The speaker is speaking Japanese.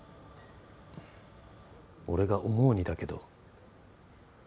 俺が思うにだけど。